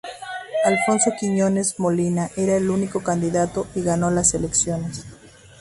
Alfonso Quiñónez Molina era el único candidato y ganó las elecciones.